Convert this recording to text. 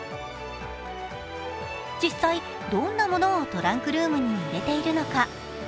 実際、どんなものをトランクルームに入れているのか。